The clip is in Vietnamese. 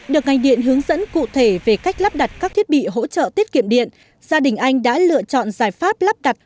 được ngành điện hướng dẫn cụ thể về cách lắp đặt các thiết bị hỗ trợ tiết kiệm điện gia đình anh đã lựa chọn giải pháp lắp đặt